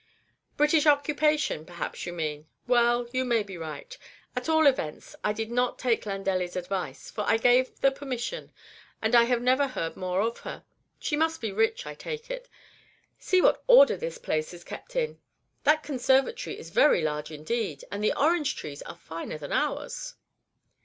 "British occupation, perhaps you mean; well, you may be right. At all events, I did not take Landelli's advice, for I gave the permission, and I have never heard more of her. She must be rich, I take it. See what order this place is kept in; that conservatory is very large indeed, and the orange trees are finer than ours."